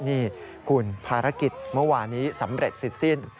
นี่คุณภารกิจเมื่อวานี้สำเร็จเสร็จสิ้น